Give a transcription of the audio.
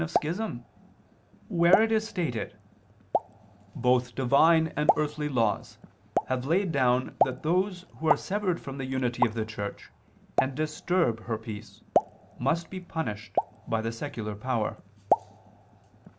44, Quali nos (RP I, 943)], where it is stated: "Both divine and earthly laws have laid down that those who are severed from the unity of the Church, and disturb her peace, must be punished by the secular power."